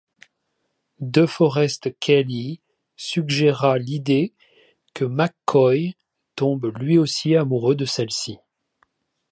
DeForest Kelley suggéra l'idée que McCoy tombe lui aussi amoureux de celle-ci.